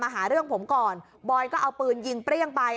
หาเรื่องผมก่อนบอยก็เอาปืนยิงเปรี้ยงไป